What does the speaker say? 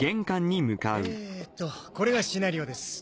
えっとこれがシナリオです。